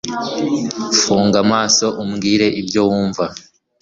Funga amaso umbwire ibyo wumva